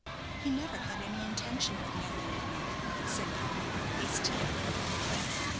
"He never had any intention of marrying me," said Paulina, hastily and bitterly.